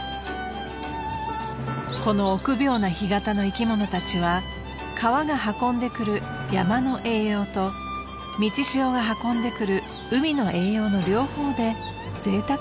［この臆病な干潟の生き物たちは川が運んでくる山の栄養と満ち潮が運んでくる海の栄養の両方でぜいたくに暮らしています］